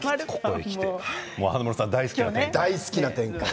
華丸さん大好きな展開。